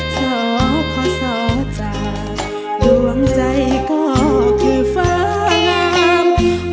สอเพาะสอจากดวงใจก็คือเฟ้าหลาม